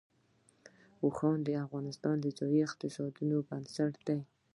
اوښ د افغانستان د ځایي اقتصادونو بنسټ دی.